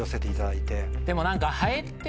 でも何か。